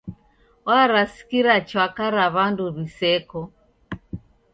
Warasikira chwaka ra w'andu w'iseko.